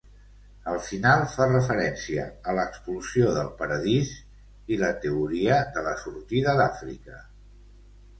El final fa referència a l'Expulsió del Paradís i la teoria de la sortida d'Àfrica.